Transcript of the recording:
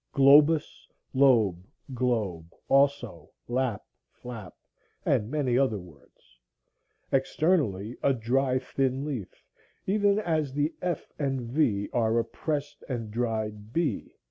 globus, lobe, globe; also lap, flap, and many other words,) externally a dry thin leaf, even as the f and v are a pressed and dried b.